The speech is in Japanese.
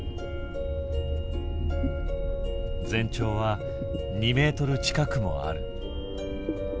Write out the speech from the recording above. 全長は２ｍ近くもある。